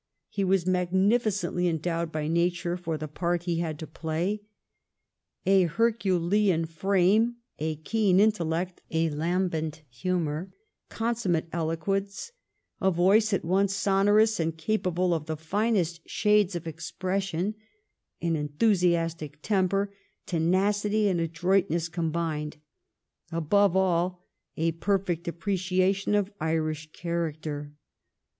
Daniel He was magnificently endowed by nature for the part he had to play. A herculean frame, a keen intellect, a lambent humour, consummate eloquence, a voice at once sonorous and capable of the finest shades of expression, an enthusiastic temper, tenacity and adroitness combined : above all a perfect appreciation of Irish character.